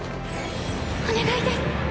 お願いです。